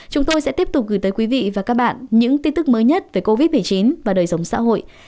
chúng tôi sẽ tiếp tục gửi tới quý vị và các bạn những tin tức mới nhất về covid một mươi chín và đời sống xã hội